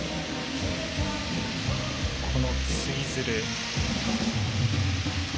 このツイズル。